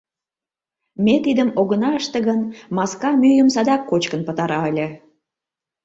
Ме тидым огына ыште гын, маска мӱйым садак кочкын пытара ыле.